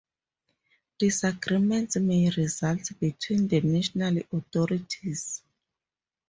Disagreements may result between the national authorities.